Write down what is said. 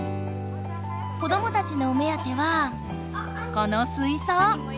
子どもたちのお目当てはこのすいそう。